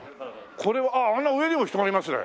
これはあっあの上にも人がいますね。